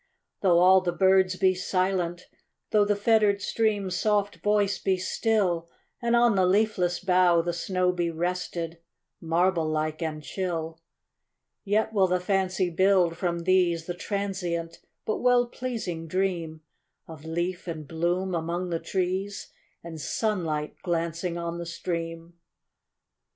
Though all the birds be silent,—thoughThe fettered stream's soft voice be still, And on the leafless bough the snowBe rested, marble like and chill,—Yet will the fancy build, from these, The transient but well pleasing dreamOf leaf and bloom among the trees, And sunlight glancing on the stream.